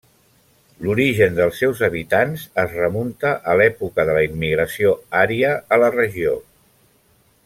L'origen dels seus habitants es remunta a l'època de la immigració ària a la regió.